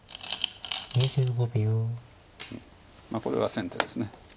これは先手です。